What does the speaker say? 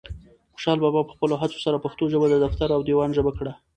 خوشحال بابا په خپلو هڅو سره پښتو ژبه د دفتر او دیوان ژبه کړه.